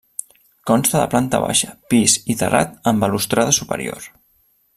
Consta de planta baixa, pis i terrat amb balustrada superior.